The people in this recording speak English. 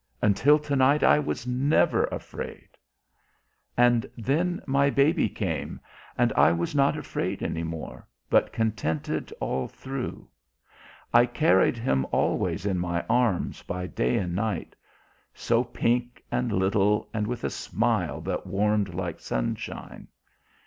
"Until to night I was never afraid." "And then my baby came, and I was not afraid any more, but contented all through. I carried him always in my arms by day and night. So pink and little and with a smile that warmed like sunshine."